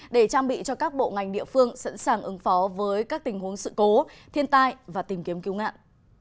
để trang bị cho các bộ ngành địa phương sẵn sàng ứng phó với các tình huống sự cố thiên tai và tìm kiếm cứu nạn